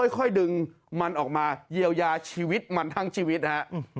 ค่อยดึงมันออกมาเยียวยาชีวิตมันทั้งชีวิตนะฮะ